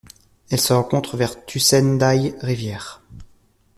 Elle se rencontre vers Tussen-die-Riviere.